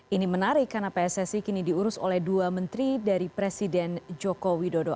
ini menarik karena pssi kini diurus oleh dua menteri dari presiden joko widodo